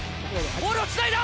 ボールをつないだ！